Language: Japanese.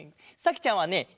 さきちゃんはね